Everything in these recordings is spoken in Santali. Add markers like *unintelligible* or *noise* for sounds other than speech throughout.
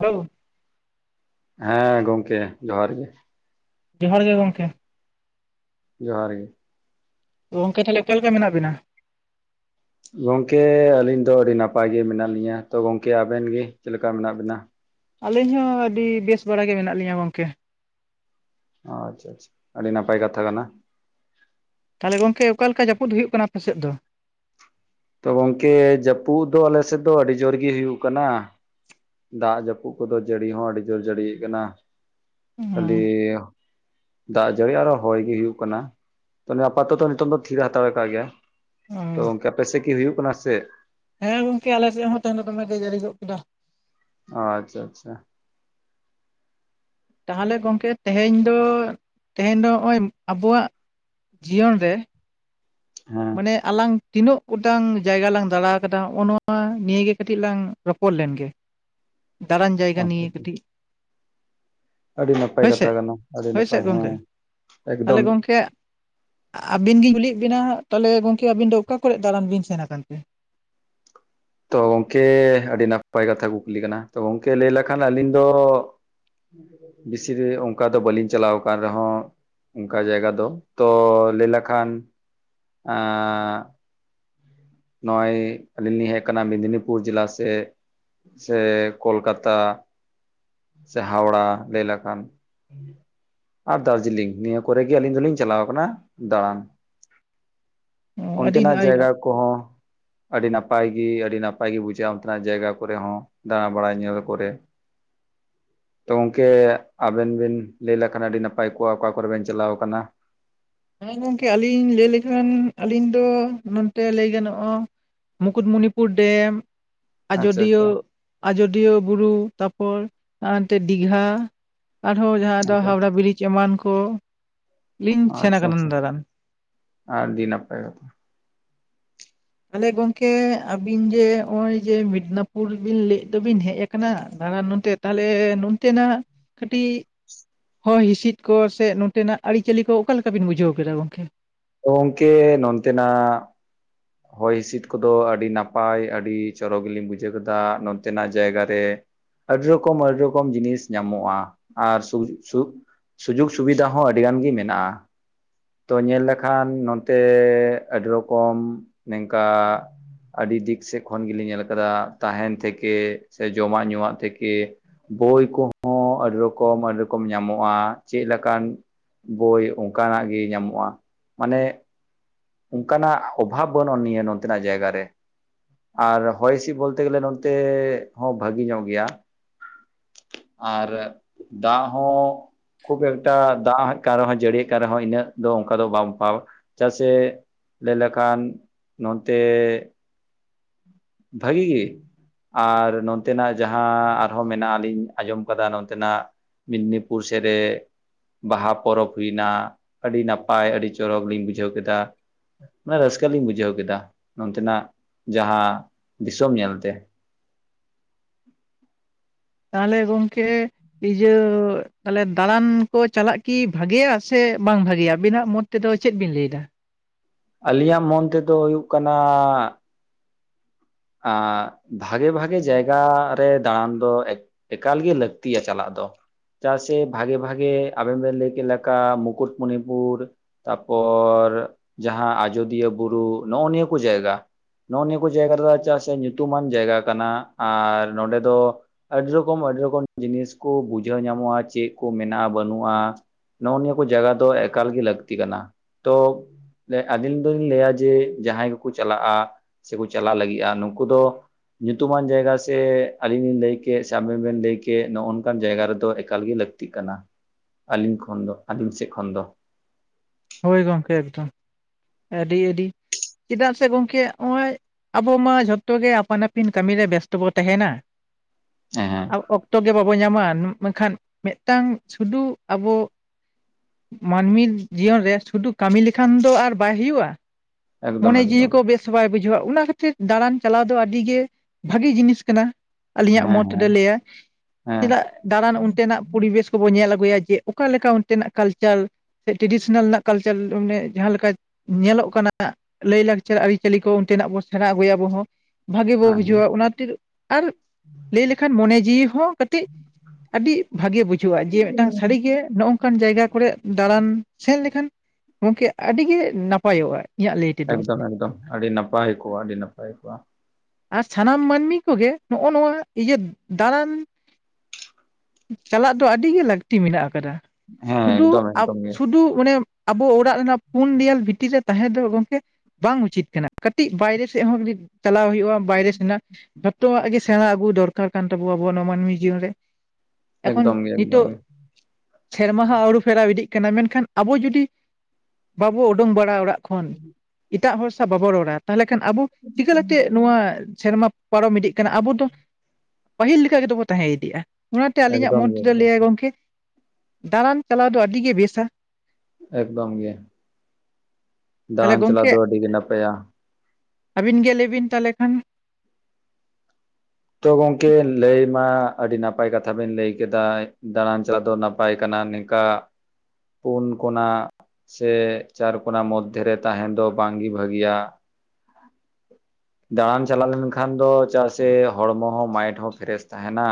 ᱦᱮᱞᱳ ᱦᱮᱸ ᱜᱚᱝᱠᱮ ᱡᱚᱦᱟᱨ ᱜᱮ᱾ ᱡᱚᱦᱟᱨ ᱜᱮ ᱜᱚᱢᱠᱮ᱾ ᱡᱚᱦᱟᱨ ᱜᱮ᱾ ᱛᱚ ᱜᱚᱢᱠᱮ ᱛᱟᱦᱚᱞᱮ ᱚᱠᱟᱞᱮᱠᱟ ᱢᱮᱱᱟᱜ ᱵᱤᱱᱟ? ᱜᱚᱢᱠᱮ ᱟᱹᱞᱤᱧ ᱫᱚ ᱟᱹᱰᱤ ᱱᱟᱯᱟᱭ ᱜᱮ ᱢᱮᱱᱟᱜ ᱞᱤᱧᱟᱹ ᱾ᱛᱚ ᱜᱚᱢᱠᱮ ᱟᱵᱮᱱ ᱜᱮ ᱪᱮᱫ ᱞᱮᱠᱟ ᱢᱮᱱᱟᱜ ᱵᱤᱱᱟ? ᱟᱹᱞᱤᱧ ᱦᱚᱸ ᱟᱹᱰᱤ ᱵᱮᱥ ᱵᱟᱲᱟ ᱜᱮ ᱢᱮᱱᱟᱜ ᱞᱤᱧᱟ ᱜᱚᱝᱠᱮ᱾ ᱚ ᱟᱪᱪᱷᱟ ᱟᱪᱪᱷᱟ ᱟᱹᱰᱤ ᱱᱟᱯᱟᱭ ᱠᱟᱛᱷᱟ ᱠᱟᱱᱟ᱾ ᱛᱟᱦᱚᱞᱮ ᱜᱚᱝᱠᱮ ᱚᱠᱟ ᱞᱮᱠᱟ ᱡᱟᱹᱯᱩᱫ ᱦᱩᱭᱩᱜ ᱠᱟᱱᱟ ᱟᱯᱮ ᱥᱮᱫ ᱫᱚ? ᱛᱚ ᱜᱚᱝᱠᱮ ᱡᱟᱹᱯᱩᱫ ᱫᱚ ᱟᱞᱮ ᱥᱮᱫ ᱫᱚ ᱟᱹᱰᱤ ᱡᱳᱨ ᱜᱮ ᱦᱩᱭᱩᱜ ᱠᱟᱱᱟ᱾ ᱫᱟᱜ ᱡᱟᱹᱯᱩᱫ ᱠᱚᱫᱚ ᱡᱟᱹᱲᱤ ᱦᱚᱸ ᱟᱹᱰᱤ ᱡᱳᱨ ᱡᱟᱹᱲᱤᱭᱮᱫ ᱠᱟᱱᱟ ᱠᱷᱟᱹᱞᱤ ᱫᱟᱜ ᱡᱟᱹᱲᱤ ᱟᱨᱚ ᱦᱚᱭ ᱜᱮ ᱦᱩᱭᱩᱜ ᱠᱟᱱᱟ ᱛᱚ ᱟᱯᱟᱛᱚᱛᱚ ᱱᱤᱛᱚᱜ ᱫᱚ ᱛᱷᱤᱨ ᱦᱟᱛᱟᱲ ᱠᱟᱜ ᱜᱮᱭᱟᱭ ᱾ ᱛᱚ ᱜᱚᱝᱠᱮ ᱟᱯᱮᱥᱮᱜ ᱠᱤ ᱦᱩᱭᱩᱜ ᱠᱟᱱᱟ ᱥᱮ? ᱦᱮᱸ ᱜᱚᱝᱠᱮ ᱟᱞᱮ ᱥᱮᱫ ᱦᱚᱸ ᱛᱮᱦᱮᱧ ᱫᱚ ᱫᱚᱢᱮ ᱜᱮ ᱡᱟᱹᱲᱤ ᱜᱚᱫ ᱠᱮᱫᱟ᱾ ᱟᱪᱪᱷᱟ-ᱟᱪᱪᱷᱟ ᱛᱟᱦᱚᱞᱮ ᱜᱚᱢᱠᱮ ᱛᱮᱦᱮᱸᱧ ᱫᱚ ᱛᱮᱦᱮᱧ ᱫᱚ ᱱᱚᱜ-ᱚᱭ ᱟᱵᱚᱣᱟᱜ ᱡᱤᱭᱚᱱ ᱨᱮᱼᱼ ᱦᱮᱸ ᱢᱟᱱᱮ ᱟᱞᱟᱝ ᱛᱤᱱᱟᱹᱜ ᱜᱚᱴᱟᱝ ᱡᱟᱭᱜᱟ ᱞᱟᱝ ᱫᱟᱬᱟ ᱠᱟᱫᱟ ᱦᱚᱸᱜ-ᱚ ᱱᱚᱣᱟ ᱱᱤᱭᱟᱹᱜᱮ ᱠᱟᱹᱴᱤᱡ ᱞᱟᱝ ᱨᱚᱯᱚᱲ ᱞᱮᱱᱜᱮ᱾ ᱫᱟᱬᱟᱱ ᱡᱟᱭᱜᱟ ᱱᱤᱭᱮ ᱟᱪᱪᱷᱟ ᱠᱟᱹᱴᱤᱡᱼᱼ ᱟᱹᱰᱤ ᱱᱟᱯᱟᱭ ᱠᱟᱛᱷᱟ ᱠᱟᱱᱟ ᱟᱹᱰᱤ ᱦᱳᱭᱥᱮ ᱱᱟᱯᱟᱭ ᱦᱮᱸ ᱜᱚᱝᱠᱮ ᱛᱟᱦᱚᱞᱮ ᱮᱠᱫᱚᱢ᱾ ᱜᱚᱝᱠᱮ ᱟᱹᱵᱤᱱ ᱜᱤᱧ ᱠᱩᱞᱤᱭᱮᱫ ᱵᱤᱱᱟᱜ ᱛᱟᱦᱚᱞᱮ ᱜᱚᱢᱠᱮ ᱟᱹᱵᱤᱱ ᱫᱚ ᱚᱠᱟ ᱠᱚᱨᱮᱫ ᱫᱟᱬᱟᱱ ᱵᱤᱱ ᱥᱮᱱᱠᱟᱱ ᱛᱮ? ᱛᱚ ᱜᱚᱝᱠᱮ ᱟᱹᱰᱤ ᱱᱟᱯᱟᱭ ᱠᱟᱛᱷᱟ ᱠᱩᱠᱞᱤ ᱠᱟᱱᱟ, ᱛᱚ ᱜᱚᱢᱠᱮ ᱞᱟᱹᱭ ᱞᱮᱠᱷᱟᱱ ᱟᱹᱞᱤᱧ ᱫᱚᱼᱼ ᱵᱮᱥᱤᱨᱮ ᱚᱱᱠᱟ ᱫᱚ ᱵᱟᱹᱞᱤᱧ ᱪᱟᱞᱟᱣ ᱠᱟᱱ ᱨᱮᱦᱚᱸᱼᱼ ᱚᱱᱠᱟ ᱡᱟᱭᱜᱟ ᱫᱚ ᱛᱚ ᱞᱟᱹᱭ ᱞᱮᱠᱷᱟᱱᱼᱼ ᱟᱸᱻ ᱱᱚᱜ-ᱚᱭ ᱟᱹᱞᱤᱧ ᱞᱤᱧ ᱦᱮᱡ ᱠᱟᱱᱟ ᱢᱮᱫᱽᱱᱤᱯᱩᱨ ᱡᱮᱞᱟ ᱥᱮᱫ᱾ ᱥᱮ ᱠᱳᱞᱠᱟᱛᱟ ᱥᱮ ᱦᱟᱣᱲᱟ ᱞᱟᱹᱭ ᱞᱮᱠᱷᱟᱱ᱾ ᱟᱨ ᱫᱟᱨᱡᱤᱞᱤᱝ ᱱᱤᱭᱟᱹ ᱠᱚᱨᱮ ᱜᱮ ᱟᱹᱞᱤᱧ ᱫᱚᱞᱤᱧ ᱪᱟᱞᱟᱣ ᱠᱟᱱᱟ ᱫᱟᱬᱟᱱ᱾ ᱚ ᱟᱹᱰᱤ ᱚᱱᱛᱮᱱᱟᱜ ᱱᱟᱭ ᱡᱟᱭᱜᱟ ᱠᱚᱦᱚᱸᱼᱼ ᱟᱹᱰᱤ ᱱᱟᱯᱟᱭ ᱜᱤ ᱟᱹᱰᱤ ᱱᱟᱯᱟᱭ ᱜᱤ ᱵᱩᱡᱷᱟᱹᱜ-ᱟ ᱚᱱᱛᱮᱱᱟᱜ ᱡᱟᱭᱜᱟ ᱠᱚᱨᱮ ᱦᱚᱸ ᱫᱟᱬᱟ ᱵᱟᱲᱟᱭ ᱧᱮᱞ ᱠᱚᱨᱮᱼᱼ *inaudible* ᱛᱚ ᱜᱚᱝᱠᱮ ᱟᱵᱮᱱ ᱵᱮᱱ ᱞᱟᱹᱭ ᱞᱮᱠᱷᱟᱱ ᱟᱹᱰᱤ ᱱᱟᱯᱟᱭ ᱠᱚᱜ-ᱟ ᱚᱠᱟ ᱠᱚᱨᱮ ᱵᱮᱱ ᱪᱟᱞᱟᱣ ᱠᱟᱱᱟ? ᱦᱮᱸ ᱜᱚᱝᱠᱮ ᱟᱹᱞᱤᱧ ᱞᱟᱹᱭ ᱞᱮᱠᱷᱟᱱ ᱟᱹᱞᱤᱧ ᱫᱚ ᱱᱚᱱᱛᱮ ᱞᱟᱹᱭ ᱜᱟᱱᱚᱜ-ᱟᱼᱼ ᱢᱩᱠᱩᱴᱢᱩᱱᱤ-ᱯᱩᱨ ᱰᱮᱢ, ᱟᱪᱪᱷᱟ ᱟᱡᱳᱫᱤᱭᱟᱹ ᱟᱪᱪᱷᱟ ᱟᱡᱳᱫᱤᱭᱟᱹ ᱵᱩᱨᱩ ᱛᱟᱯᱚᱨ ᱚᱱᱛᱮ ᱫᱤᱜᱷᱟ᱾ ᱟᱨᱦᱚᱸ ᱡᱟᱦᱟ ᱫᱚ ᱟᱪᱪᱷᱟ ᱦᱟᱣᱲᱟ ᱵᱤᱨᱤᱡᱽ ᱮᱢᱟᱱ ᱠᱚᱼᱼ ᱟᱪᱪᱷᱟ-ᱟᱪᱪᱷᱟ ᱟᱹᱰᱤ ᱱᱟᱯᱟᱭ ᱠᱟᱛᱷᱟ᱾ ᱟᱞᱮ ᱜᱚᱝᱠᱮ ᱟᱵᱤᱱ ᱡᱮ ᱱᱜᱭ ᱡᱮ ᱢᱤᱫᱱᱟᱯᱩᱨ ᱵᱤᱱ ᱞᱮᱜ ᱫᱚᱵᱤᱱ ᱦᱮᱡ ᱠᱟᱱᱟ ᱫᱟᱬᱟᱱ ᱱᱚᱛᱮᱼᱼ ᱛᱟᱞᱦᱮ ᱱᱚᱱᱛᱮᱱᱟᱜ ᱠᱟᱹᱴᱤᱡᱼᱼ *inaudible* ᱦᱚᱭ ᱦᱤᱸᱥᱤᱫ ᱠᱚ ᱥᱮ ᱱᱚᱛᱮᱱᱟᱜ ᱟᱹᱲᱤᱪᱟᱹᱲᱤ ᱠᱚ ᱚᱠᱟ ᱞᱮᱠᱟ ᱵᱤᱱ ᱵᱩᱡᱷᱟᱹᱣ ᱠᱮᱫᱟ ᱜᱚᱝᱠᱮ? ᱛᱚ ᱜᱚᱝᱠᱮ ᱱᱚᱱᱛᱮ ᱱᱟᱜᱼᱼ ᱦᱚᱭ ᱦᱤᱸᱥᱤᱫ ᱠᱚᱫᱚ ᱟᱹᱰᱤ ᱱᱟᱯᱟᱭ ᱟᱹᱰᱤ ᱪᱚᱨᱚᱠ ᱜᱮᱞᱤᱧ ᱵᱩᱡᱷᱟᱹᱣ ᱠᱮᱫᱟ ᱱᱚᱱᱛᱮᱱᱟᱜ ᱡᱟᱭᱜᱟ ᱨᱮᱼᱼ ᱟᱹᱰᱤ ᱨᱚᱠᱚᱢ ᱟᱹᱰᱤ ᱨᱚᱠᱚᱢ ᱡᱤᱱᱤᱥ ᱧᱟᱢᱚᱜ-ᱟ, ᱟᱨ *inaudible* ᱥᱩᱡᱳᱜᱽ ᱥᱩᱵᱤᱫᱟ ᱦᱚᱸ ᱟᱹᱰᱤ ᱜᱟᱱ ᱜᱤ ᱢᱮᱱᱟᱜ-ᱟ᱾ ᱛᱚ ᱧᱮᱞ ᱞᱮᱠᱷᱟᱱ ᱱᱚᱱᱛᱮ ᱟᱹᱰᱤ ᱨᱚᱠᱚᱢ ᱱᱮᱝᱠᱟᱼᱼ ᱟᱹᱰᱤ ᱫᱤᱠ ᱥᱮᱫ ᱠᱷᱚᱱ ᱜᱮᱞᱤ ᱧᱮᱞ ᱟᱠᱟᱫᱟ ᱛᱟᱦᱮᱱ ᱛᱷᱮᱠᱮ, ᱥᱮ ᱡᱚᱢᱟᱜ ᱧᱩᱣᱟᱜ ᱛᱷᱮᱠᱮᱼᱼ ᱵᱳᱭ ᱠᱚᱦᱚᱸ ᱟᱹᱰᱤ ᱨᱚᱠᱚᱢ ᱟᱹᱰᱤ ᱨᱚᱠᱚᱢ ᱧᱟᱢᱚᱜ-ᱟ ᱪᱮᱫ ᱞᱮᱠᱟᱱᱼᱼ ᱵᱳᱭ ᱚᱝᱠᱟᱱᱟᱜ ᱜᱤ ᱧᱟᱢᱚᱜ-ᱟ᱾ ᱢᱟᱱᱮᱼᱼ ᱚᱝᱠᱟᱱᱟᱜ ᱚᱵᱷᱟᱵᱽ ᱵᱟᱹᱱᱩᱜ ᱟ ᱱᱤᱭᱟᱹ ᱱᱚᱱᱛᱮᱱᱟᱜ ᱡᱟᱭᱜᱟ ᱨᱮ᱾ ᱟᱨ ᱦᱚᱭ ᱦᱤᱥᱤᱫ ᱵᱚᱞᱛᱮ ᱜᱮᱞᱮ ᱱᱚᱱᱛᱮ ᱦᱚᱸ ᱵᱷᱟᱹᱜᱤ ᱧᱚᱜ ᱜᱮᱭᱟ᱾ ᱟᱨ ᱫᱟᱜ ᱦᱚᱸᱼᱼ ᱠᱷᱩᱵ ᱮᱠᱴᱟ ᱫᱟᱜ ᱦᱮᱸᱜ ᱠᱟᱱ ᱨᱮᱦᱚᱸ ᱡᱟᱹᱲᱤᱭᱮᱫ ᱠᱟᱱ ᱨᱮᱦᱚᱸᱭ ᱤᱱᱟᱹᱜ ᱫᱚ ᱚᱝᱠᱟ ᱫᱚ ᱵᱟᱢ ᱯᱟᱞ, ᱪᱟᱜ ᱥᱮᱼᱼ ᱞᱮ ᱞᱮᱠᱷᱟᱱ ᱱᱚᱱᱛᱮᱼᱼ ᱵᱷᱟᱹᱜᱤ ᱜᱤᱼᱼ ᱟᱨ ᱱᱚᱱᱛᱮ ᱱᱟᱜ ᱡᱟᱦᱟᱸ ᱟᱨᱦᱚᱸ ᱢᱮᱱᱟ ᱟᱹᱞᱤᱧ ᱟᱸᱡᱚᱢ ᱠᱟᱫᱟ ᱱᱚᱱᱛᱮᱱᱟᱜᱼᱼ ᱢᱤᱫᱽᱱᱤᱯᱩᱨ ᱥᱮᱜ ᱨᱮᱼᱼ ᱵᱟᱦᱟ ᱯᱚᱨᱚᱵ ᱦᱩᱭᱱᱟ ᱟᱹᱰᱤ ᱱᱟᱯᱟᱭ ᱟᱹᱰᱤ ᱪᱚᱨᱚᱠ ᱞᱤᱧ ᱵᱩᱡᱷᱟᱹᱣ ᱠᱮᱫᱟ᱾ ᱢᱟᱱᱮ ᱨᱟᱹᱥᱠᱟᱹ ᱞᱤᱧ ᱵᱩᱡᱷᱟᱹᱣ ᱠᱮᱫᱟ ᱱᱚᱱᱛᱮᱱᱟᱜ ᱡᱟᱦᱟᱸ ᱫᱤᱥᱚᱢ ᱧᱮᱞᱛᱮ᱾ ᱛᱟᱦᱞᱮ ᱜᱚᱝᱠᱮᱼᱼ ᱤᱡᱟᱹ ᱛᱟᱞᱦᱮ ᱫᱟᱬᱟᱱ ᱠᱚ ᱪᱟᱞᱟᱜ ᱠᱤ ᱵᱷᱟᱜᱮᱭᱟ ᱥᱮ ᱵᱟᱝ ᱵᱷᱟᱜᱮᱭᱟ ᱟᱹᱵᱤᱱᱟᱜ ᱢᱚᱛᱼᱼ ᱛᱮᱫᱚ ᱪᱮᱫ ᱵᱤᱱ ᱞᱟᱹᱭ ᱮᱫᱟ? ᱟᱹᱞᱤᱧᱟᱜ ᱢᱚᱱ ᱛᱮᱫᱚ ᱦᱩᱭᱩᱜ ᱠᱟᱱᱟᱻ ᱵᱷᱟᱜᱮ ᱵᱷᱟᱜᱮ ᱡᱟᱭᱜᱟ ᱨᱮ ᱫᱟᱬᱟᱱ ᱫᱚᱼᱼ ᱮᱠᱟᱞ ᱜᱮ ᱞᱟᱹᱠᱛᱤᱭᱟ ᱪᱟᱞᱟᱜ ᱫᱚ᱾ ᱪᱟ ᱥᱮ ᱵᱷᱟᱜᱮ ᱵᱷᱟᱜᱮ ᱟᱵᱮᱱ ᱵᱮᱱ ᱞᱟᱹᱭ ᱠᱮ ᱞᱟᱠᱟ ᱢᱩᱠᱩᱴᱢᱩᱱᱤ ᱯᱩᱨ ᱛᱟᱯᱚᱨ ᱡᱟᱦᱟᱸ ᱟᱡᱫᱤᱭᱟᱹ ᱵᱩᱨᱩ ᱱᱚᱜ-ᱚ ᱱᱤᱭᱟᱹ ᱠᱚ ᱡᱟᱭᱜᱟ᱾ ᱱᱚᱜ-ᱚ ᱱᱤᱭᱟᱹ ᱠᱚ ᱡᱟᱭᱜᱟ ᱨᱮᱫᱚ ᱪᱟᱜ ᱥᱮ ᱧᱩᱛᱩᱢᱟᱱ ᱡᱟᱭᱜᱟ ᱠᱟᱱᱟ᱾ ᱟᱨ ᱱᱚᱸᱰᱮ ᱫᱚ ᱟᱹᱰᱤ ᱨᱚᱠᱚᱢ ᱟᱹᱰᱤ ᱨᱚᱠᱚᱢ ᱡᱤᱱᱤᱥ ᱠᱩ ᱵᱩᱡᱷᱟᱹᱣ ᱧᱟᱢᱚᱜ-ᱟ ᱪᱮᱫ ᱠᱩ ᱢᱮᱱᱟᱜ-ᱟ ᱵᱟᱹᱱᱩᱟ᱾ ᱱᱚᱜ-ᱚ ᱱᱤᱭᱟᱹ ᱠᱚ ᱡᱟᱭᱜᱟ ᱫᱚ ᱮᱠᱟᱞ ᱜᱮ ᱞᱟᱹᱠᱛᱤ ᱠᱟᱱᱟ᱾ ᱛᱚ ᱟᱹᱞᱤᱧ ᱫᱩᱞᱤᱧ ᱞᱟᱹᱭᱟ ᱡᱮ ᱡᱟᱦᱟᱸᱭ ᱠᱚᱠᱚ ᱪᱟᱞᱟᱜ-ᱟ ᱥᱮᱠᱚ ᱪᱟᱞᱟᱜ ᱞᱟᱹᱜᱤᱟ ᱱᱩᱠᱩ ᱫᱚ ᱧᱩᱛᱩᱢᱟᱱ ᱡᱟᱭᱜᱟ ᱥᱮ ᱟᱞᱤᱧ ᱞᱤᱧ ᱞᱟᱹᱭ ᱠᱮ ᱥᱮ ᱟᱵᱮᱱ ᱵᱮᱱ ᱞᱟᱹᱭ ᱠᱮᱫ ᱱᱚᱜ ᱚᱱᱠᱟᱱ ᱡᱟᱭᱜᱟ ᱨᱮᱫᱚ ᱮᱠᱟᱞ ᱜᱮ ᱞᱟᱹᱠ ᱛᱤ ᱠᱟᱱᱟ ᱟᱹᱞᱤᱧ ᱠᱷᱚᱱ ᱫᱚ ᱟᱹᱞᱤᱧ ᱥᱮᱫ ᱠᱷᱚᱱ ᱫᱚ᱾ ᱦᱳᱭ ᱜᱚᱢᱠᱮ ᱮᱠᱫᱚᱢ ᱟᱹᱰᱤ ᱟᱹᱰᱤ ᱪᱮᱫᱟᱜ ᱥᱮ ᱜᱚᱝᱠᱮ ᱚᱭ ᱟᱵᱚ ᱢᱟ ᱡᱷᱚᱛᱚ ᱜᱮ ᱟᱯᱟᱱ ᱟᱹᱯᱤᱱ ᱠᱟᱹᱢᱤ ᱨᱮ ᱵᱮᱥᱛᱚ ᱵᱚ ᱛᱟᱦᱮᱱᱟ᱾ ᱦᱮᱸ ᱦᱮᱸ *unintelligible* ᱚᱠᱛᱚ ᱜᱮ ᱵᱟᱵᱚ ᱧᱟᱢᱟ ᱢᱮᱝᱠᱷᱟᱱ ᱢᱮᱫᱴᱟᱝ ᱥᱩᱫᱩ ᱟᱵᱚ ᱢᱟᱱᱢᱤ ᱡᱤᱭᱚᱱ ᱨᱮ ᱥᱩᱫᱩ ᱠᱟᱹᱢᱤ ᱞᱮᱠᱷᱟᱱ ᱫᱚ ᱟᱨ ᱵᱟᱭ ᱦᱩᱭᱩᱜᱟ ᱮᱠᱫᱚᱢ ᱢᱚᱱᱮ ᱡᱤᱣᱤ ᱮᱠᱫᱚᱢ ᱠᱚ ᱵᱮᱥ ᱵᱟᱭ ᱵᱩᱡᱷᱟᱹᱣᱟ ᱚᱱᱟ ᱠᱷᱟᱹᱛᱤᱨ ᱫᱟᱬᱟᱱ ᱪᱟᱞᱟᱣ ᱫᱚ ᱟᱹᱰᱤ ᱜᱮ ᱵᱷᱟᱜᱤ ᱡᱤᱱᱤᱥ ᱠᱟᱱᱟ᱾ ᱟᱹᱞᱤᱧᱟᱜ ᱦᱮᱸ ᱢᱚᱛ ᱛᱮᱫᱚ ᱞᱟᱹᱭᱟ ᱦᱮᱸ ᱦᱮᱸ ᱪᱮᱫᱟᱜ ᱫᱟᱬᱟᱱ ᱚᱱᱛᱮ ᱱᱟᱜ ᱯᱚᱨᱤᱵᱮᱥ ᱠᱚᱵᱚᱱ ᱧᱮᱞ ᱟᱹᱜᱩᱭᱟ ᱡᱮ ᱚᱠᱟ ᱞᱮᱠᱟ ᱚᱱᱛᱮ ᱱᱟᱜ ᱠᱟᱞᱪᱟᱨ᱾ ᱴᱨᱮᱰᱤᱥᱚᱱᱟᱞ ᱨᱮᱱᱟᱜ ᱠᱟᱞᱪᱟᱞ ᱢᱟᱱᱮ ᱡᱟᱦᱟᱸ ᱞᱮᱠᱟ ᱧᱮᱞᱚᱜ ᱠᱟᱱᱟ ᱞᱟᱹᱭᱼᱞᱟᱠᱪᱟᱨ ᱟᱹᱨᱤᱪᱟᱹᱞᱤ ᱠᱚ ᱚᱱᱛᱮᱱᱟᱜ ᱵᱚᱱ ᱥᱮᱬᱟ ᱟᱹᱜᱩᱭᱟ ᱟᱵᱚ ᱦᱚᱸ᱾ ᱵᱷᱟᱜᱤ ᱵᱚ ᱦᱮᱸ ᱵᱩᱡᱷᱟᱹᱣᱟ ᱚᱱᱟ ᱠᱷᱛᱤᱨ ᱟᱨ ᱞᱟᱹᱭ ᱞᱮᱠᱷᱟᱱ ᱢᱚᱱᱮ ᱡᱤᱣᱤ ᱦᱚᱸ ᱠᱟᱹᱴᱤᱡ ᱟᱹᱰᱤ ᱵᱷᱟᱜᱮ ᱵᱩᱡᱷᱟᱹᱜᱼᱟ ᱡᱮ ᱢᱤᱫᱴᱟᱝ ᱥᱟᱹᱨᱤ ᱜᱮ ᱱᱚᱜ ᱚᱱᱠᱟᱱ ᱡᱟᱭᱜᱟ ᱠᱚᱨᱮ ᱫᱟᱬᱟᱱ ᱥᱮᱱ ᱞᱮᱠᱷᱟᱱ ᱜᱚᱝᱠᱮ ᱟᱹᱰᱤ ᱜᱮ ᱱᱟᱯᱟᱭᱚᱜᱼᱟ᱾ ᱤᱧᱟᱹᱜ ᱞᱟᱹᱭ ᱛᱮᱫᱚ ᱮᱠᱫᱚᱢ ᱮᱠᱫᱚᱢ ᱟᱹᱰᱤ ᱱᱟᱯᱟᱭ ᱠᱚᱜᱼᱟ, ᱟᱹᱰᱤ ᱱᱟᱯᱟᱭ ᱠᱚᱜᱼᱟ᱾ ᱟᱨ ᱥᱟᱱᱟᱢ ᱢᱟᱹᱱᱢᱤ ᱠᱚᱜᱮ ᱱᱚᱜᱼᱚ ᱱᱚᱣᱟ ᱤᱭᱟᱹ ᱫᱟᱬᱟᱱ ᱪᱟᱞᱟᱜ ᱫᱚ ᱟᱹᱰᱤ ᱜᱮ ᱞᱟᱹᱠᱛᱤ ᱢᱮᱱᱟᱜ ᱟᱠᱟᱫᱟ ᱦᱮᱸ ᱥᱩᱫᱩ ᱮᱠᱫᱚᱢ ᱟ ᱮᱠᱫᱚᱢ ᱜᱮ ᱥᱩᱫᱩ ᱚᱱᱮ ᱟᱵᱚ ᱚᱲᱟᱜ ᱨᱮᱱᱟᱜ ᱯᱩᱱ ᱫᱮᱭᱟᱞ ᱵᱷᱤᱛᱤᱨ ᱨᱮ ᱛᱟᱦᱮᱸ ᱫᱚ ᱜᱚᱝᱠᱮ ᱵᱟᱝ ᱩᱪᱤᱛ ᱠᱟᱱᱟ ᱠᱟᱹᱴᱤᱡ ᱵᱟᱭᱨᱮ ᱥᱮᱫ ᱦᱚᱸ ᱪᱟᱞᱟᱣ ᱦᱩᱭᱩᱜᱼᱟ᱾ ᱵᱟᱭᱨᱮ ᱥᱮᱱᱟᱜ ᱡᱷᱚᱛᱚᱣᱟᱜ ᱜᱮ ᱥᱮᱬᱟ ᱟᱹᱜᱩ ᱫᱚᱨᱠᱟᱨ ᱠᱟᱱ ᱛᱟᱵᱚ ᱟᱵᱚᱣᱟᱜ ᱱᱚᱣᱟ ᱢᱟᱱᱢᱤ ᱡᱤᱭᱚᱱ ᱨᱮ᱾ ᱮᱠᱷᱚᱱ ᱮᱠᱫᱚᱢ ᱜᱮ ᱮᱠᱫᱚᱢ ᱱᱤᱛᱚᱜ ᱜᱮ ᱥᱮᱨᱢᱟᱦᱟ ᱟᱹᱨᱩ ᱯᱷᱮᱨᱟᱣ ᱤᱫᱤᱜ ᱠᱟᱱᱟ ᱢᱮᱱᱠᱷᱟᱱ ᱟᱵᱚ ᱡᱩᱫᱤ ᱵᱟᱵᱚ ᱩᱰᱩᱝ ᱵᱟᱲᱟ ᱚᱲᱟᱜ ᱠᱷᱚᱱ ᱮᱴᱟᱜ ᱦᱚᱲ ᱥᱟᱶ ᱵᱟᱵᱚ ᱨᱚᱲ-ᱟ ᱛᱟᱦᱚᱞᱮ ᱠᱷᱟᱱ ᱟᱵᱚ ᱪᱤᱠᱟᱹ ᱞᱮᱟᱛᱮ ᱱᱚᱣᱟ ᱥᱮᱨᱢᱟ ᱯᱟᱨᱚᱢ ᱤᱫᱤᱜ ᱠᱟᱱᱟ ᱟᱵᱚ ᱫᱚ ᱯᱟᱹᱦᱤᱞ ᱞᱮᱠᱟ ᱜᱮᱫᱵᱚ ᱛᱟᱦᱮᱸ ᱤᱫᱤᱜᱼᱟ᱾ ᱚᱱᱟᱛᱮ ᱟᱹᱞᱤᱧᱟᱜ ᱮᱠᱫᱚᱢ ᱢᱚᱱ ᱜᱮ ᱛᱮᱫᱚ ᱮᱠᱫᱚᱢ ᱞᱟᱹᱭᱟᱭ ᱜᱚᱢᱠᱮ ᱫᱟᱬᱟᱱ ᱪᱟᱞᱟᱣ ᱫᱚ ᱟᱹᱰᱤᱜᱮ ᱵᱮᱥᱟ᱾ ᱮᱠᱫᱚᱢ ᱜᱮ, ᱛᱟᱦᱚᱞᱮ ᱫᱟᱬᱟᱱ ᱪᱟᱞᱟᱜ ᱜᱚᱝᱠᱮ ᱫᱚ ᱟᱹᱰᱤ ᱜᱮ ᱱᱟᱯᱟᱭᱟ᱾ ᱟᱹᱵᱤᱱ ᱜᱮ ᱞᱟᱹᱭᱵᱤᱱ ᱛᱟᱦᱚᱞᱮ ᱠᱷᱟᱱ᱾ ᱛᱚ ᱜᱚᱝᱠᱮ ᱞᱟᱹᱭ ᱢᱟ ᱟᱹᱰᱤ ᱱᱟᱯᱟᱭ ᱠᱟᱛᱷᱟ ᱵᱮᱱ ᱞᱟᱹᱭ ᱠᱮᱫᱟ ᱫᱟᱬᱟᱱ ᱪᱟᱞᱟᱜ ᱫᱚ ᱱᱟᱯᱟᱭ ᱠᱟᱱᱟ, ᱱᱤᱝᱠᱟ ᱯᱩᱱ ᱠᱚᱱᱟᱜ ᱥᱮ ᱪᱟᱨ ᱠᱚᱱᱟᱜ ᱢᱚᱫᱽᱫᱷᱮ ᱨᱮ ᱛᱟᱦᱮᱱ ᱫᱚ ᱵᱟᱝ ᱜᱮ ᱵᱷᱟᱹᱜᱤᱭᱟ᱾ ᱫᱟᱬᱟᱱ ᱪᱟᱞᱟᱣ ᱞᱮᱱᱠᱷᱟᱱ ᱫᱚ ᱪᱟᱜ ᱥᱮ ᱦᱚᱲᱢᱚ ᱦᱚᱸ ᱢᱟᱭᱤᱱᱰ ᱦᱚᱸ ᱯᱷᱨᱮᱥ ᱛᱟᱦᱮᱱᱟ᱾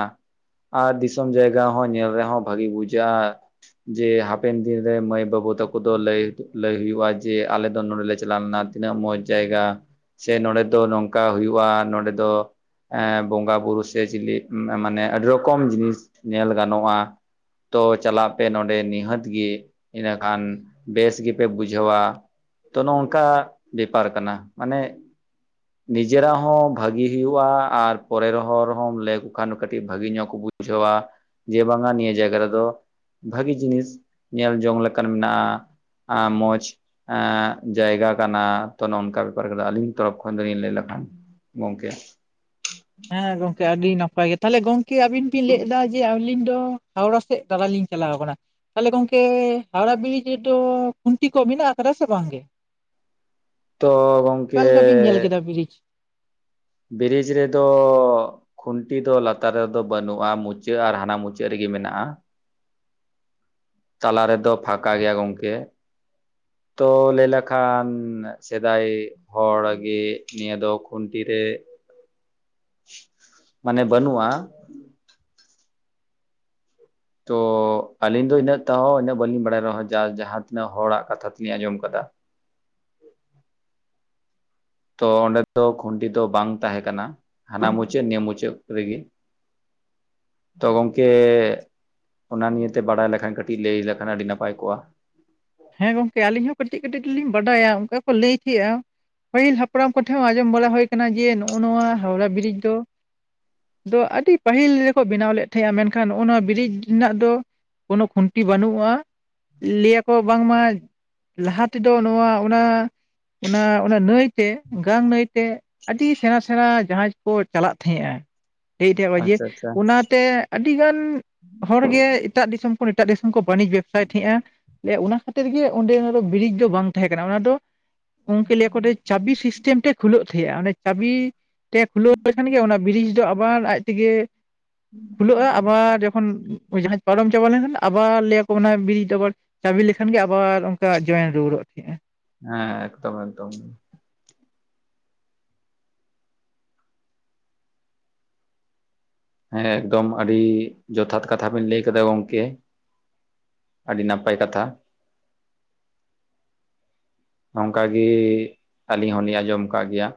ᱟᱨ ᱫᱤᱥᱚᱢ ᱡᱟᱭᱜᱟ ᱦᱚᱸ ᱧᱮᱞ ᱨᱮᱦᱚᱸ ᱵᱷᱟᱹᱜᱤ ᱵᱩᱡᱟᱹᱜ-ᱟ᱾ ᱡᱮ ᱦᱟᱯᱮᱱ ᱫᱤᱱ ᱨᱮ ᱢᱟᱹᱭ ᱵᱟᱹᱵᱩ ᱛᱟᱠᱚ ᱫᱚ ᱞᱟᱹᱭ ᱞᱟᱹᱭ ᱦᱚᱭᱩᱜᱼᱟ ᱡᱮ ᱟᱞᱮ ᱫᱚ ᱱᱚᱸᱰᱮ ᱞᱮ ᱪᱟᱞᱟᱣ ᱞᱮᱱᱟ᱾ ᱛᱤᱱᱟᱹᱜ ᱢᱚᱡᱽ ᱡᱟᱭᱜᱟ ᱥᱮ ᱱᱚᱰᱮ ᱫᱚ ᱱᱚᱝᱠᱟ ᱦᱩᱭᱩᱜᱼᱟ, ᱱᱚᱰᱮ ᱫᱚ ᱮ ᱵᱚᱸᱜᱟ ᱵᱩᱨᱩ ᱥᱮ ᱪᱤᱞᱤ ᱢᱟᱱᱮ ᱟᱹᱰᱤ ᱨᱚᱠᱚᱢ ᱡᱤᱱᱤᱥ ᱧᱮᱞ ᱜᱟᱱᱚᱜᱼᱟ᱾ ᱛᱚ ᱪᱟᱞᱟᱜ ᱯᱮ ᱱᱚᱸᱰᱮ ᱱᱤᱦᱟᱹᱛ ᱜᱮ᱾ ᱤᱱᱟᱹᱠᱷᱟᱱ ᱵᱮᱥ ᱜᱮᱯᱮ ᱵᱩᱡᱷᱟᱹᱣᱟ᱾ ᱛᱚ ᱱᱚᱝᱠᱟ ᱵᱮᱯᱟᱨ ᱠᱟᱱᱟ, ᱢᱟᱱᱮ ᱱᱤᱡᱮᱨᱟᱜ ᱦᱚᱸ ᱵᱷᱟᱹᱜᱤ ᱦᱩᱭᱩᱜᱼᱟ ᱟᱨ ᱯᱚᱨᱮ ᱨᱮᱦᱚᱸ ᱦᱚᱸᱲ ᱮᱢ ᱞᱟᱹᱭᱠᱚ ᱠᱷᱟᱱ ᱠᱟᱹᱴᱤᱡ ᱵᱷᱟᱹᱜᱤ ᱧᱚᱜ ᱠᱚ ᱵᱩᱡᱷᱟᱹᱣᱟ᱾ ᱡᱮ ᱵᱟᱝᱟ ᱱᱤᱭᱟᱹ ᱡᱟᱭᱜᱟ ᱨᱮᱫᱚ ᱵᱷᱟᱹᱜᱤ ᱡᱤᱱᱤᱥ ᱧᱮᱞ ᱡᱚᱝ ᱞᱮᱠᱟᱱ ᱢᱮᱱᱟᱜᱼᱟ᱾ ᱢᱚᱸᱡᱽ ᱮᱸ ᱡᱟᱭᱜᱟ ᱠᱟᱱᱟ ᱛᱚ ᱱᱚᱝᱠᱟ ᱵᱮᱯᱟᱨ ᱨᱮᱫᱚ ᱟᱹᱞᱤᱧ ᱛᱚᱠᱷᱚᱱ ᱫᱚᱞᱤᱧ ᱞᱟᱹᱭ ᱞᱮᱠᱷᱟᱱ ᱜᱚᱝᱠᱮ ᱦᱮᱸ ᱜᱚᱝᱠᱮ ᱟᱹᱰᱤ ᱱᱟᱯᱟᱭ ᱜᱮ ᱛᱟᱦᱚᱞᱮ ᱜᱚᱝᱠᱮ ᱟᱹᱵᱤᱱ ᱵᱤᱱ ᱞᱟᱹᱭᱫᱟ ᱡᱮ ᱟᱹᱞᱤᱧ ᱫᱚ ᱦᱟᱣᱲᱟ ᱥᱮᱫ ᱫᱟᱬ ᱞᱤᱧ ᱪᱟᱞᱟᱣ ᱠᱟᱱᱟ ᱛᱟᱦᱚᱞᱮ ᱜᱚᱝᱠᱮ ᱦᱟᱣᱲᱟ ᱵᱨᱤᱡᱽ ᱨᱮᱫᱚ ᱠᱷᱩᱱᱴᱤ ᱠᱚ ᱢᱮᱱᱟᱜ ᱟᱠᱟᱫᱟ ᱥᱮ ᱵᱟᱝᱜᱮ? ᱛᱚ ᱚᱠᱟ ᱜᱚᱝᱠᱮ ᱞᱮᱠᱟ ᱵᱤᱱ ᱧᱮᱞ ᱠᱮᱫᱟ ᱵᱤᱨᱤᱡᱽ? ᱵᱨᱤᱡᱽ ᱨᱮᱫᱚ ᱠᱷᱩᱱᱴᱤ ᱫᱚ ᱞᱟᱛᱟᱨ ᱨᱮᱫᱚ ᱵᱟᱹᱱᱩᱜᱼᱟ ᱢᱩᱪᱟᱹᱫ ᱟᱨ ᱦᱟᱱᱟ ᱢᱩᱪᱟᱹᱫ ᱨᱮᱜᱮ ᱢᱮᱱᱟᱜᱼᱟ᱾ ᱛᱟᱞᱟ ᱨᱮᱫᱚ ᱯᱷᱟᱠᱟ ᱜᱮᱭᱟ ᱜᱚᱝᱠᱮ ᱛᱚ ᱞᱟᱹᱭ ᱞᱮᱠᱷᱟᱱ ᱥᱮᱫᱟᱭ ᱦᱚᱲ ᱜᱮ ᱱᱤᱭᱟᱹ ᱫᱚ ᱠᱷᱩᱱᱴᱤ ᱨᱮ *unintelligible* ᱢᱟᱱᱮ ᱵᱟᱹᱱᱩᱜᱼᱟ᱾ ᱛᱚ ᱟᱹᱞᱤᱧ ᱫᱚ ᱤᱱᱟᱹᱜ ᱛᱟᱦᱚ ᱤᱱᱟᱹᱜ ᱵᱟᱹᱞᱤᱧ ᱵᱟᱲᱟᱭ ᱨᱮᱦᱚᱸ ᱡᱟᱠ ᱡᱟᱦᱟᱸ ᱛᱤᱱᱟᱹᱜ ᱦᱚᱲᱟᱜ ᱠᱟᱛᱷᱟ ᱛᱮᱞᱤᱧ ᱟᱸᱡᱚᱢ ᱠᱟᱫᱟ ᱛᱚ ᱚᱸᱰᱮ ᱫᱚ ᱠᱷᱩᱱᱴᱤ ᱫᱚ ᱵᱟᱝ ᱛᱟᱦᱮᱸ ᱠᱟᱱᱟ ᱦᱟᱱᱟ ᱢᱩᱪᱟᱹᱫ ᱱᱤᱭᱟᱹ ᱢᱩᱪᱟᱹᱫ ᱨᱮᱜᱮ ᱛᱚ ᱜᱚᱝᱠᱮ ᱚᱱᱟ ᱱᱤᱭᱮ ᱛᱮ ᱵᱟᱲᱟᱭ ᱞᱮᱠᱷᱟᱱ ᱠᱟᱹᱴᱤᱡ ᱞᱟᱹᱭ ᱞᱮᱠᱷᱟᱱ ᱟᱹᱰᱤ ᱱᱟᱯᱟᱭ ᱠᱚᱜᱼᱟ ᱦᱮᱸ ᱜᱚᱝᱠᱮ ᱟᱹᱞᱤᱧ ᱦᱚᱸ ᱠᱟᱹᱴᱤᱡ ᱠᱟᱹᱴᱤᱡ ᱫᱚᱞᱤᱧ ᱵᱟᱰᱟᱭᱟ ᱚᱱᱠᱟ ᱠᱚ ᱞᱟᱹᱭ ᱜᱮᱭᱟ ᱯᱟᱹᱦᱤᱞ ᱦᱟᱯᱲᱟᱢ ᱠᱚᱴᱷᱮᱱ ᱦᱚᱸ ᱟᱸᱡᱚᱢ ᱵᱟᱲᱟ ᱦᱩᱭ ᱠᱟᱱᱟ ᱡᱮ ᱱᱚᱜᱼᱚ ᱱᱚᱣᱟ ᱦᱟᱣᱲᱟ ᱵᱨᱤᱡ ᱫᱚ ᱫᱚ ᱟᱹᱰᱤ ᱯᱟᱹᱦᱤᱞ ᱨᱮᱠᱚ ᱵᱮᱱᱟᱣ ᱞᱮᱫ ᱛᱟᱦᱮᱸᱜᱟ ᱢᱮᱱᱠᱷᱟᱱᱜ ᱱᱚᱣᱟ ᱵᱨᱤᱡ ᱨᱮᱱᱟᱜ ᱫᱚ ᱠᱳᱱᱳ ᱠᱷᱩᱱᱴᱤ ᱵᱟᱹᱱᱩᱜᱼᱟ ᱞᱟᱹᱭᱟᱠᱚ ᱵᱟᱝᱢᱟ ᱞᱟᱦᱟ ᱛᱮᱫᱚ ᱱᱚᱣᱟ ᱚᱱᱟ ᱚᱱᱟ ᱚᱱᱟ ᱱᱟᱹᱭᱛᱮ ᱜᱟᱝ ᱱᱟᱹᱭᱛᱮ ᱟᱹᱰᱤ ᱥᱮᱬᱟ ᱥᱮᱬᱟ ᱡᱟᱦᱟᱡᱽ ᱠᱚ ᱪᱟᱞᱟᱜ ᱛᱟᱦᱮᱸᱱᱼᱟ ᱞᱮᱭ ᱛᱟᱦᱮᱸ ᱠᱚ ᱡᱮ ᱟᱪᱪᱷᱟ ᱟᱪᱪᱷᱟ ᱚᱱᱟᱛᱮ ᱟᱹᱰᱤᱜᱟᱱ ᱦᱚᱲᱜᱮ ᱮᱴᱟᱜ ᱫᱤᱥᱚᱢ ᱠᱷᱚᱱ ᱮᱴᱟᱜ ᱫᱤᱥᱚᱢ ᱠᱚ ᱵᱟᱹᱱᱤᱡᱽ ᱵᱮᱵᱽᱥᱟᱭᱮᱫ ᱛᱟᱦᱮᱸᱫᱼᱟ᱾ ᱮ ᱚᱱᱟ ᱠᱷᱟᱹᱛᱤᱨ ᱜᱮ ᱚᱸᱰᱮ ᱚᱱᱟ ᱫᱚ ᱵᱤᱨᱤᱡ ᱫᱚ ᱵᱟᱝ ᱛᱟᱦᱮᱸ ᱠᱟᱱᱟ ᱚᱱᱟ ᱫᱚ ᱜᱚᱝᱠᱮ ᱞᱟᱹᱭᱟ ᱟᱠᱚ ᱡᱮ ᱪᱟᱹᱵᱤ ᱥᱤᱥᱴᱮᱢ ᱛᱮ ᱠᱷᱩᱞᱟᱹᱜ ᱛᱟᱦᱮᱸᱜᱼᱟ ᱚᱱᱮ ᱪᱟᱹᱵᱤ ᱛᱮ ᱠᱷᱩᱞᱟᱹᱣ ᱞᱮᱠᱷᱟᱱ ᱜᱮ ᱚᱱᱟ ᱵᱨᱤᱡᱽ ᱫᱚ ᱟᱵᱟᱨ ᱟᱡ ᱛᱮᱜᱮ ᱦᱩᱸ *unintelligible* ᱠᱷᱩᱞᱟᱹᱜᱼᱟ ᱟᱵᱟᱨ ᱡᱚᱠᱷᱚᱱ ᱡᱟᱦᱟᱡᱽ ᱯᱟᱨᱚᱢ ᱪᱟᱵᱟ ᱞᱮᱱ ᱟᱵᱟᱨ ᱞᱟᱹᱭ ᱟᱠᱚ ᱚᱱᱟ ᱵᱨᱤᱡ ᱟᱵᱟᱨ ᱪᱟᱹᱵᱤ ᱞᱮᱠᱷᱟᱱ ᱜᱮ ᱟᱵᱟᱨ ᱚᱱᱠᱟ ᱡᱚᱭᱮᱱ ᱨᱩᱣᱟᱹᱲᱚᱜ ᱛᱟᱦᱮᱸᱜᱼᱟ ᱦᱮᱸ ᱮᱠᱫᱚᱢ ᱮᱠᱫᱚᱢ ᱦᱮᱸ ᱮᱠᱫᱚᱢ ᱟᱹᱰᱤ ᱡᱚᱛᱷᱟᱛ ᱠᱟᱛᱷᱟ ᱵᱮᱱ ᱞᱟᱹᱭ ᱟᱠᱟᱫᱟ ᱜᱚᱝᱠᱮ ᱟᱹᱰᱤ ᱱᱟᱯᱟᱭ ᱠᱟᱛᱷᱟ ᱱᱚᱝᱠᱟ ᱜᱮ ᱟᱹᱞᱤᱧ ᱦᱚᱸ ᱞᱤᱧ ᱟᱸᱡᱚᱢ ᱠᱟᱜ ᱜᱮᱭᱟ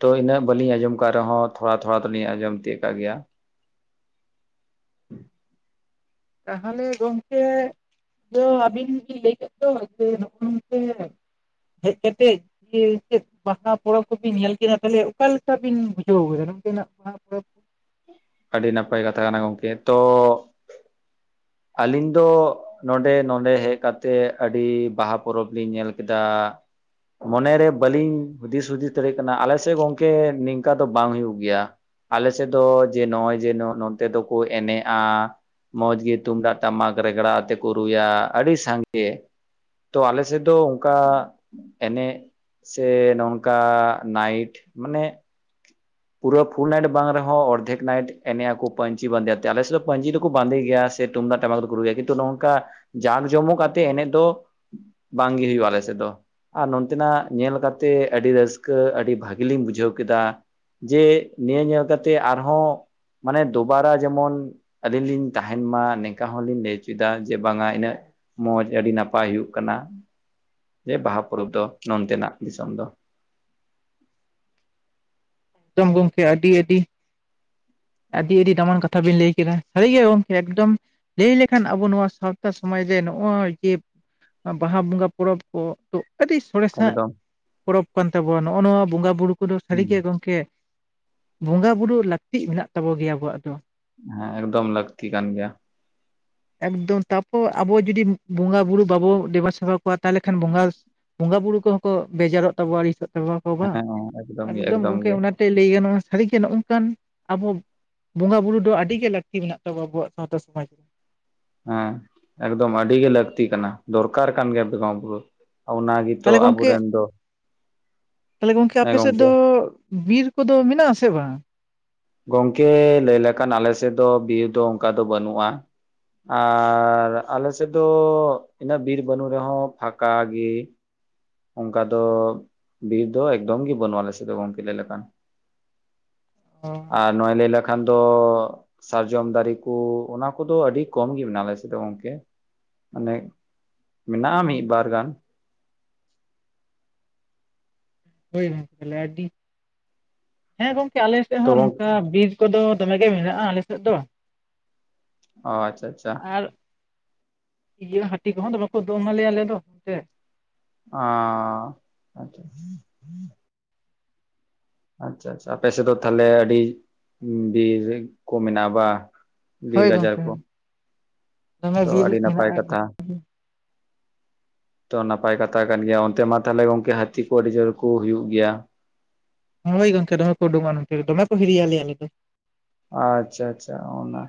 ᱛᱚ ᱤᱱᱟᱹᱜ ᱵᱟᱹᱞᱤᱧ ᱟᱸᱡᱚᱢ ᱟᱠᱟᱫ ᱨᱮᱦᱚᱸ ᱛᱷᱚᱲᱟ ᱛᱷᱚᱲᱟ ᱫᱚᱞᱤᱧ ᱟᱸᱡᱚᱢ ᱛᱤᱭᱟᱹᱜ ᱟᱠᱟᱜ ᱜᱮᱭᱟ ᱛᱟᱦᱚᱞᱮ ᱜᱚᱝᱠᱮ ᱫᱚ ᱟᱹᱵᱤᱱ ᱵᱤᱱ ᱞᱟᱹᱭ ᱠᱮᱫ ᱫᱚ ᱡᱮ ᱱᱚᱜᱼᱚ ᱱᱚᱛᱮ ᱦᱮᱡ ᱠᱟᱛᱮᱫ ᱦᱮ ᱪᱮᱫ ᱯᱟᱛᱟ ᱯᱚᱨᱚᱵᱽ ᱠᱚᱵᱤᱱ ᱧᱮᱞ ᱠᱮᱫᱟ ᱛᱟᱦᱚᱞᱮ ᱚᱠᱟ ᱞᱮᱠᱟ ᱵᱤᱱ ᱵᱩᱡᱷᱟᱹᱣ ᱠᱮᱫᱟ ᱱᱚᱛᱮᱱᱟᱜ ᱯᱟᱛᱟ ᱯᱚᱨᱚᱵᱽ ᱟᱹᱰᱤ ᱱᱟᱯᱟᱭ ᱠᱟᱛᱷᱟ ᱠᱟᱱᱟ ᱜᱚᱝᱠᱮ ᱛᱚ ᱟᱹᱞᱤᱧ ᱫᱚ ᱱᱚᱰᱮ ᱱᱚᱰᱮ ᱦᱮᱡ ᱠᱟᱛᱮᱫ ᱟᱹᱰᱤ ᱵᱟᱦᱟ ᱯᱚᱨᱚᱵᱽ ᱞᱤᱧ ᱧᱮᱞ ᱠᱮᱫᱟ ᱢᱚᱱᱮᱨᱮ ᱵᱟᱹᱞᱤᱧ ᱫᱤᱥ ᱦᱩᱫᱤᱥ ᱫᱟᱲᱮᱭᱟᱜ ᱠᱟᱱᱟ ᱟᱞᱮ ᱥᱮᱫ ᱜᱚᱝᱠᱮ ᱱᱤᱝᱠᱟᱹ ᱫᱚ ᱵᱟᱝ ᱦᱩᱭᱩᱜ ᱜᱮᱭᱟ ᱟᱞᱮ ᱥᱮᱫ ᱫᱚ ᱡᱮ ᱱᱚᱜ-ᱚᱭ ᱡᱮ ᱱᱚᱛᱮ ᱫᱚᱠᱚ ᱮᱱᱮᱡ-ᱟ ᱢᱚᱸᱡᱽ ᱜᱮ ᱛᱩᱢᱫᱟᱜ ᱴᱟᱢᱟᱠ ᱨᱮᱜᱽᱲᱟ ᱟᱛᱮᱫ ᱠᱚ ᱨᱩᱭᱟ ᱟᱹᱰᱤ ᱥᱟᱸᱜᱮ ᱛᱚ ᱟᱞᱮ ᱥᱮᱫ ᱫᱚ ᱚᱱᱠᱟ ᱮᱱᱮᱜ ᱥᱮ ᱱᱚᱝᱠᱟ ᱱᱟᱭᱤᱴ ᱢᱟᱱᱮ ᱯᱩᱨᱟᱹ ᱯᱷᱩᱞ ᱱᱟᱭᱤᱴ ᱵᱟᱝ ᱨᱮᱦᱚᱸ ᱚᱨᱫᱷᱮᱠ ᱱᱟᱭᱤᱴ ᱮᱱᱮ ᱟᱠᱚ ᱯᱟᱧᱪᱤ ᱵᱟᱸᱫᱮ ᱟᱛᱮ ᱟᱞᱮ ᱥᱮᱫ ᱫᱚ ᱯᱟᱹᱧᱪᱤ ᱫᱚᱠᱚ ᱵᱟᱸᱫᱮ ᱜᱮᱭᱟ ᱥᱮ ᱛᱩᱢᱫᱟᱜ ᱴᱟᱢᱟᱠ ᱫᱚᱠᱚ ᱨᱩᱭᱟ ᱠᱤᱱᱛᱩ ᱱᱚᱜᱚᱝ ᱠᱟ ᱡᱟᱸᱠ ᱡᱚᱢᱚᱠ ᱟᱛᱮᱫ ᱮᱱᱮᱡ ᱫᱚ ᱵᱟᱝᱜᱮ ᱦᱩᱭᱩ-ᱟ ᱟᱞᱮ ᱥᱮᱫ ᱫᱚ ᱟᱨ ᱱᱚᱱᱛᱮᱱᱟᱜ ᱧᱮᱞ ᱠᱟᱛᱮ ᱟᱹᱰᱤ ᱨᱟᱹᱥᱠᱟᱹ ᱟᱹᱰᱤ ᱵᱷᱟᱜᱤ ᱞᱤᱧ ᱵᱩᱡᱷᱟᱹᱣ ᱠᱮᱫᱟ᱾ ᱡᱮ ᱱᱤᱭᱟᱹ ᱧᱮᱞ ᱠᱟᱛᱮ ᱟᱨᱦᱚᱸ ᱢᱟᱱᱮ ᱫᱩᱵᱟᱨᱟ ᱡᱮᱢᱚᱱ ᱟᱹᱞᱤᱧ ᱞᱤᱧ ᱛᱟᱦᱮᱱ ᱢᱟ ᱱᱤᱝᱠᱟ ᱦᱚᱸᱞᱤᱧ ᱞᱟᱹᱭ ᱦᱚᱪᱚ ᱮᱫᱟ ᱡᱮ ᱵᱟᱝ ᱟ ᱤᱱᱟᱹᱜ ᱢᱚᱡᱽ ᱟᱹᱰᱤ ᱱᱟᱯᱟᱭ ᱦᱩᱭᱩᱜ ᱠᱟᱱᱟ ᱡᱮ ᱵᱟᱦᱟ ᱯᱚᱨᱚᱵᱽ ᱫᱚ ᱱᱚᱱᱛᱮᱱᱟᱜ ᱫᱤᱥᱚᱢ ᱫᱚ ᱮᱠᱫᱚᱢ ᱜᱚᱢᱠᱮ ᱟᱹᱰᱤ ᱟᱹᱰᱤ ᱟᱹᱰᱤ ᱟᱹᱰᱤ ᱫᱟᱢᱟᱱ ᱠᱟᱛᱷᱟ ᱵᱤᱱ ᱞᱟᱹᱭ ᱠᱮᱫᱟ ᱥᱟᱹᱨᱤ ᱜᱮ ᱜᱚᱢᱠᱮ ᱮᱠᱫᱚᱢ ᱞᱟᱹᱭ ᱞᱮᱠᱷᱟᱱ ᱟᱵᱚ ᱱᱚᱣᱟ ᱥᱟᱶᱛᱟ ᱥᱚᱢᱟᱡᱽ ᱨᱮ ᱱᱚᱜ-ᱚᱭ ᱵᱟᱦᱟ ᱵᱚᱸᱜᱟ ᱯᱚᱨᱚᱵᱽ ᱠᱚ ᱟᱹᱰᱤ ᱥᱚᱨᱮᱥᱟᱜ ᱮᱠᱫᱚᱢ ᱯᱚᱨᱚᱵᱽ ᱠᱟᱱ ᱛᱟᱵᱚᱱᱟ ᱱᱚᱜ-ᱚ ᱱᱚᱣᱟ ᱵᱚᱸᱜᱟ ᱵᱩᱨᱩ ᱠᱚᱫᱚ ᱥᱟᱹᱨᱤᱜᱮ ᱜᱚᱢᱠᱮ, ᱵᱚᱸᱜᱟ ᱵᱩᱨᱩ ᱞᱟᱹᱠᱛᱤᱜ ᱢᱮᱱᱟᱜ ᱛᱟᱵᱚ ᱜᱮᱭᱟ ᱟᱵᱚᱣᱟᱜ ᱫᱚ ᱦᱮᱸ ᱮᱠᱫᱚᱢ ᱞᱟᱹᱠᱛᱤ ᱠᱟᱱ ᱜᱮᱭᱟ *inaudible* ᱮᱠᱫᱚᱢ ᱛᱟᱨᱯᱚᱨ ᱟᱵᱚ ᱡᱩᱫᱤ ᱵᱚᱸᱜᱟ ᱵᱩᱨᱩ ᱵᱟᱵᱚᱱ ᱫᱮᱵᱟ ᱥᱮᱵᱟ ᱠᱚᱣᱟ ᱛᱟᱦᱚᱞᱮ ᱠᱷᱟᱱ ᱵᱚᱸᱜᱟ ᱵᱚᱸᱜᱟ ᱵᱩᱨᱩ ᱠᱚᱦᱚᱸ ᱠᱚ ᱵᱮᱡᱟᱨᱚᱜ ᱛᱟᱵᱚᱱᱟ ᱟᱹᱲᱤᱥᱚᱜ ᱛᱟᱵᱚᱱᱟ ᱠᱚ ᱵᱟᱝ ᱦᱮᱸ ᱜᱮ ᱮᱠᱫᱚᱢ ᱜᱚᱢᱠᱮ ᱜᱮ ᱚᱱᱟ ᱞᱟᱹᱭ ᱜᱟᱱᱚᱜ-ᱟ ᱥᱟᱹᱨᱤ ᱜᱮ ᱱᱚᱜ-ᱚ ᱱᱚᱝᱠᱟᱱ ᱟᱵᱚ ᱵᱚᱸᱜᱟ ᱵᱩᱨᱩ ᱫᱚ ᱟᱹᱰᱤᱜ ᱜᱮ ᱞᱟᱹᱠᱛᱤ ᱢᱮᱱᱟᱜ ᱛᱟᱵᱚ ᱟᱵᱚᱣᱟᱜ ᱥᱟᱶᱛᱟ ᱥᱚᱢᱟᱡᱽ ᱨᱮ ᱦᱮᱸ ᱮᱠᱫᱚᱢ ᱟᱹᱰᱤ ᱜᱮ ᱞᱟᱹᱠᱛᱤ ᱠᱟᱱᱟ ᱫᱚᱨᱠᱟᱨ ᱠᱟᱱ ᱜᱮᱭᱟ ᱵᱚᱸᱜᱟ ᱵᱩᱨᱩ ᱚᱱᱟᱜ ᱛᱟᱦᱚᱞᱮ ᱜᱚᱝᱠᱮ ᱛᱟᱦᱚᱞᱮ ᱜᱚᱢᱠᱮ ᱦᱮᱸ ᱟᱯᱮ ᱥᱮᱫ ᱜᱚᱝᱠᱮ ᱫᱚ? ᱵᱤᱨ ᱠᱚᱫᱚ ᱢᱮᱱᱟᱜ ᱟᱥᱮ ᱵᱟᱝ? ᱜᱚᱢᱠᱮ ᱞᱟᱹᱭ ᱞᱮᱠᱷᱟᱱ ᱟᱞᱮ ᱥᱮᱫ ᱫᱚ ᱵᱤᱨ ᱫᱚ ᱚᱱᱠᱟ ᱫᱚ ᱵᱟᱹᱱᱩᱜ-ᱟ᱾ ᱟᱨᱻ ᱟᱞᱮ ᱥᱮᱫ ᱫᱚ ᱤᱱᱟᱹᱜ ᱵᱤᱨ ᱵᱟᱹᱱᱩᱜ ᱨᱮᱦᱚᱸ ᱯᱷᱟᱠᱟ ᱜᱮ ᱚᱱᱠᱟ ᱫᱚ ᱵᱤᱨ ᱫᱚ ᱮᱠᱫᱚᱢ ᱜᱮ ᱵᱟᱹᱱᱩᱜ ᱟᱞᱮᱥᱮᱫ ᱫᱚ ᱜᱚᱝᱠᱮ ᱞᱟᱹᱭ ᱞᱮᱠᱟᱱ ᱚ ᱟᱨ ᱱᱚᱣᱟ ᱞᱟᱹᱭ ᱞᱮᱠᱷᱟᱱ ᱠᱷᱟᱱ ᱫᱚ ᱥᱟᱨᱡᱚᱢ ᱫᱟᱨᱮ ᱠᱚ ᱚᱱᱟ ᱠᱚᱫᱚ ᱟᱹᱰᱤ ᱠᱚᱢ ᱜᱮ ᱢᱮᱱᱟᱜ-ᱟ ᱟᱞᱮ ᱥᱮᱫ ᱜᱚᱝᱠᱮ ᱢᱟᱱᱮ ᱢᱮᱱᱟᱜ-ᱟ ᱢᱤᱫ ᱵᱟᱨ ᱜᱟᱱ ᱦᱳᱭ ᱜᱚᱝᱠᱮ ᱟᱹᱰᱤ ᱦᱮᱸ ᱜᱚᱝᱠᱮ ᱟᱞᱮ ᱥᱮᱫ ᱛᱚ ᱦᱚᱸ ᱜᱚᱝᱠᱮ ᱱᱚᱝᱠᱟ ᱵᱤᱨ ᱠᱚᱫᱚ ᱫᱚᱢᱮ ᱜᱮ ᱢᱮᱱᱟᱜ-ᱟ ᱟᱞᱮ ᱥᱮᱫ ᱫᱚ ᱚ ᱟᱪᱪᱷᱟ ᱟᱪᱪᱷᱟ ᱟᱨ ᱤᱭᱟᱹ ᱦᱟᱹᱛᱤ ᱠᱚᱦᱚᱸ ᱫᱚ ᱵᱟᱠᱚ ᱫᱚᱢ ᱟᱞᱮᱭᱟ ᱟᱞᱮ ᱫᱚ ᱚᱱᱛᱮ ᱚ ᱟᱪᱪᱷᱟ ᱟᱪᱪᱷᱟ ᱟᱪᱪᱷᱟ ᱟᱯᱮᱥᱮᱫ ᱫᱚ ᱛᱟᱦᱚᱞᱮ ᱟᱹᱰᱤ ᱵᱤᱨ ᱠᱚ ᱢᱮᱱᱟᱜ-ᱟ ᱵᱟ ᱵᱤᱨ ᱦᱳᱭ ᱜᱟᱡᱟᱲ ᱜᱚᱝᱠᱮ ᱠᱚ ᱫᱚᱢᱮ ᱛᱚ ᱵᱤᱨ ᱟᱹᱰᱤ ᱱᱟᱯᱟᱭ ᱢᱮᱱᱟᱜ-ᱟ ᱠᱟᱛᱷᱟ ᱛᱚ ᱱᱟᱯᱟᱭ ᱠᱟᱛᱷᱟ ᱠᱟᱱ ᱜᱮᱭᱟ ᱚᱱᱛᱮ ᱢᱟ ᱛᱟᱦᱚᱞᱮ ᱜᱚᱝᱠᱮ ᱦᱟᱹᱛᱤ ᱠᱚ ᱟᱹᱰᱤ ᱡᱳᱨ ᱠᱚ ᱦᱩᱭᱩᱜ ᱜᱮᱭᱟ᱾ ᱦᱳᱭ ᱜᱚᱝᱠᱮ ᱫᱚᱢᱮ ᱩᱰᱩᱠ ᱜᱚᱢᱠᱮ ᱫᱚᱮ ᱠᱚ ᱦᱤᱨᱤᱭ ᱟᱞᱮ ᱟᱞᱮᱫᱚ᱾ ᱟᱪᱪᱷᱟ ᱟᱪᱪᱷᱟ ᱚᱱᱟ